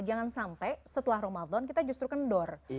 jangan sampai setelah ramadan kita justru kendor